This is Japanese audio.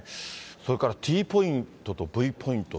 それからＴポイントとＶポイント